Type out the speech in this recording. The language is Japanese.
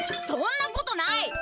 そんなことない！